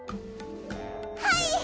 はい！